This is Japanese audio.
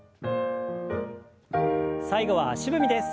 最後は足踏みです。